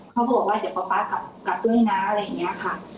เขาบอกว่าเดี๋ยวป๊าป๊ากลับด้วยนะอะไรอย่างนี้ค่ะ